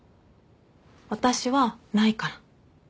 私はないから。